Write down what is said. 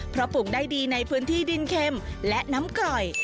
เพราะปลูกได้ดีในพื้นที่ดินเค็มและน้ำกร่อย